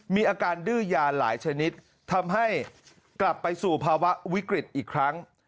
มีอาการดื้อยาหลายชนิดทำให้กลับไปสู่ภาวะวิกฤตอีกครั้ง